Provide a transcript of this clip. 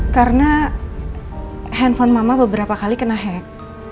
karena handphone mama beberapa kali kena hack